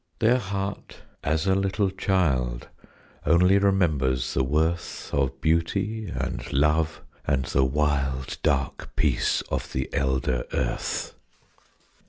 Their heart as a little child Only remembers the worth Of beauty and love and the wild Dark peace of the elder earth.